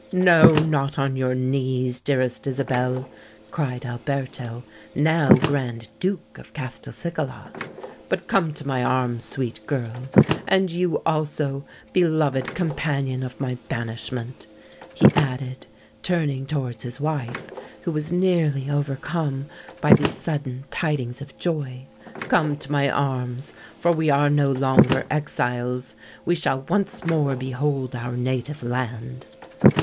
"No—not on your knees, dearest Isabel!" cried Alberto, now Grand Duke of Castelcicala: "but come to my arms, sweet girl—and you also, beloved companion of my banishment," he added, turning towards his wife, who was nearly overcome by these sudden tidings of joy:—"come to my arms—for we are no longer exiles—we shall once more behold our native land!"